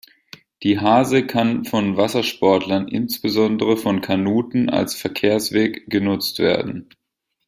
Die Hase kann von Wassersportlern, insbesondere von Kanuten, als Verkehrsweg genutzt werden.